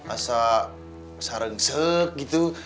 asal sarangsek gitu